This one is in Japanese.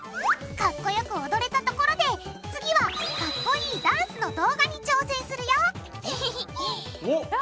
かっこよく踊れたところで次はかっこいいダンスの動画に挑戦するよおっ！